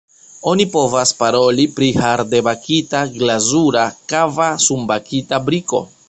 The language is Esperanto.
Oni povas paroli pri hardebakita, glazura, kava, sunbakita briko.